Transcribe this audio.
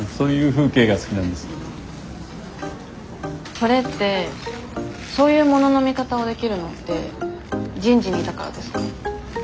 それってそういうものの見方をできるのって人事にいたからですか？